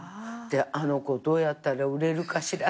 「あの子どうやったら売れるかしら」